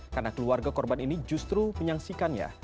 karena keluarga korban ini justru menyaksikannya